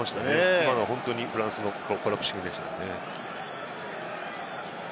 今のは本当にフランスのコラプシングですね。